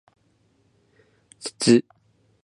つつ